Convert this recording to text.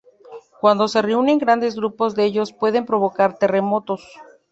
Cuando se reúnen grandes grupos de ellos pueden provocar terremotos.